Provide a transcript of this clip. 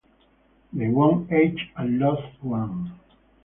They won eight and lost one.